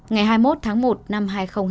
ngày hai mươi một tháng một năm hai nghìn hai mươi